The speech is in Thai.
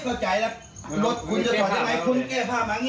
คุณแก้ผ้ามานี่คุณหมายฟังกว่าอย่างใดบอกครับผมมาเข้าห้องน้ำด้วยครับ